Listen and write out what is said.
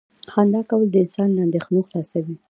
• خندا کول انسان له اندېښنو خلاصوي.